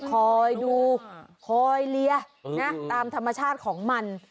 คอยดูคอยเลียนะตามธรรมชาติของมัน